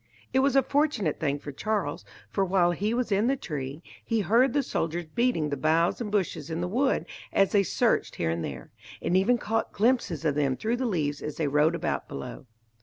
It was a fortunate thing for Charles, for while he was in the tree, he heard the soldiers beating the boughs and bushes in the wood as they searched here and there, and even caught glimpses of them through the leaves as they rode about below.